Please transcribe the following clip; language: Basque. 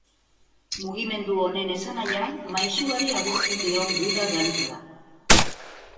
Mugimendu honen esanahia, maisuari agurtzen dion guda dantza da.